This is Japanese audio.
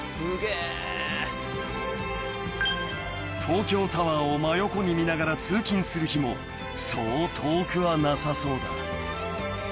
［東京タワーを真横に見ながら通勤する日もそう遠くはなさそうだ］